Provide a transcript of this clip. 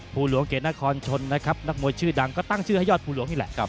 ภูหลวงเกตนครชนนะครับนักมวยชื่อดังก็ตั้งชื่อให้ยอดภูหลวงนี่แหละครับ